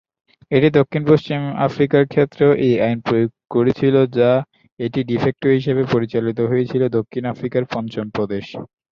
এটি দক্ষিণ পশ্চিম আফ্রিকার ক্ষেত্রেও এই আইন প্রয়োগ করেছিল, যা এটি ডি-ফ্যাক্টো হিসাবে পরিচালিত হয়েছিল দক্ষিণ আফ্রিকার পঞ্চম প্রদেশ।